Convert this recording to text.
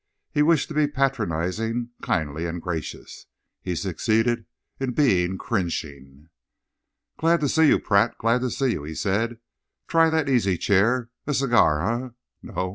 He wished to be patronising, kindly and gracious. He succeeded in being cringing. "Glad to see you, Pratt. Glad to see you," he said. "Try that easy chair. A cigar, eh? No?